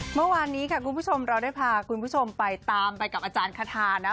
เมื่อวานนี้ค่ะคุณผู้ชมเราได้พาคุณผู้ชมไปตามไปกับอาจารย์คาทานะ